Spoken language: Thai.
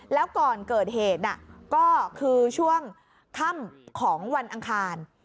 แล้วก่อนเกิดเหตุก็คือช่วงค่ำของวันอังคาร